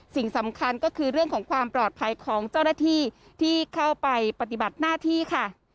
สิ่งสำคัญก็คือเรื่องของความปลอดภัยของเจ้าหน้าที่ที่เข้าไปปฏิบัติหน้าที่ค่ะ